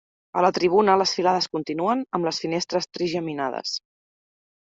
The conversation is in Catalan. A la tribuna les filades continuen, amb les finestres trigeminades.